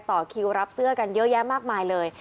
ต่อคิวรับเสื้อกันเยอะแยะมากมายเลย